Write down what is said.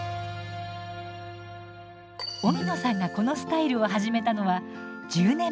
荻野さんがこのスタイルを始めたのは１０年前。